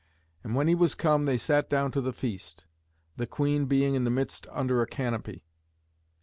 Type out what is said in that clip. And when he was come they sat down to the feast, the queen being in the midst under a canopy.